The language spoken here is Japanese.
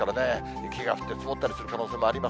雪が降って積もったりする可能性もあります。